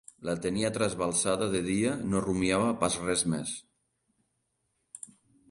La tenia trasbalsada de dia no rumiava pas res més